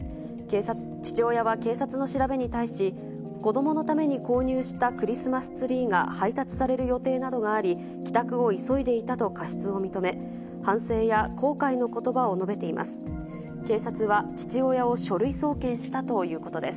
父親は警察の調べに対し、子どものために購入したクリスマスツリーが配達される予定などがあり、帰宅を急いでいたと過失を認め、反省や後悔のことばを述べています。